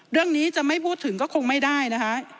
เรื่องนี้จะไม่พูดถึงก็คงไม่ได้นะคะ